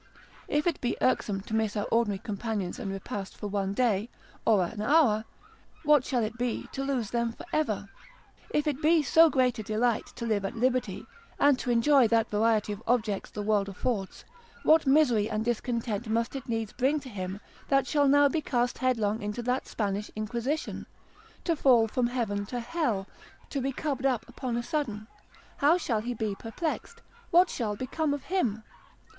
If it be irksome to miss our ordinary companions and repast for once a day, or an hour, what shall it be to lose them for ever? If it be so great a delight to live at liberty, and to enjoy that variety of objects the world affords; what misery and discontent must it needs bring to him, that shall now be cast headlong into that Spanish inquisition, to fall from heaven to hell, to be cubbed up upon a sudden, how shall he be perplexed, what shall become of him?